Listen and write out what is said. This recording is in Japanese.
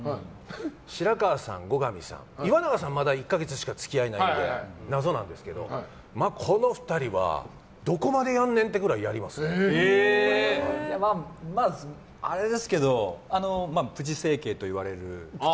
白川さん、後上さん岩永さんはまだ１か月しか付き合いないので謎なんですけどこの２人はどこまでやるねんってくらいプチ整形といわれる。